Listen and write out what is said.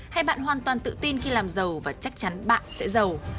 hay bạn hoàn toàn tự tin khi làm giàu và chắc chắn bạn sẽ giàu